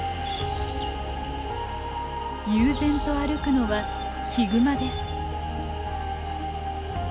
悠然と歩くのはヒグマです。